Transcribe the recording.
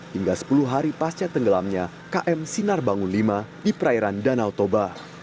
hingga sepuluh hari pasca tenggelamnya km sinar bangun v di perairan danau toba